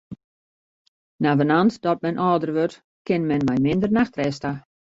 Navenant dat men âlder wurdt, kin men mei minder nachtrêst ta.